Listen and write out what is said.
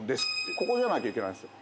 ここじゃなきゃいけないんですよ